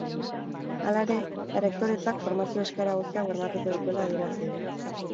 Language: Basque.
Hala ere, errektoretzak formazio eskaera guztiak bermatuko dituela adierazi du.